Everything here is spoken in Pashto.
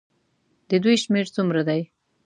د دوی شمېر څومره دی.